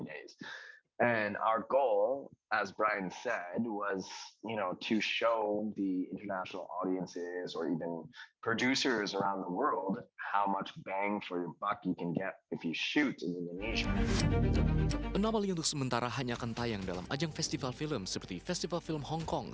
apalagi untuk sementara hanya akan tayang dalam ajang festival film seperti festival film hongkong